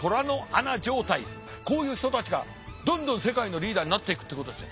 こういう人たちがどんどん世界のリーダーになっていくってことですよ。